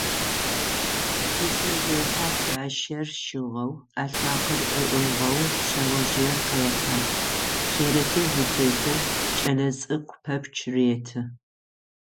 Письмэзехьэ шъуашэр щыгъэу, ӏалъмэкъыр ыӏыгъэу шъэожъыер къехьэ, сурэтыр зытетыр кӏэлэцӏыкӏу пэпчъ реты.